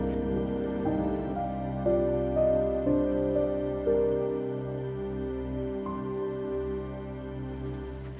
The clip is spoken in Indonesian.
terima kasih gustaf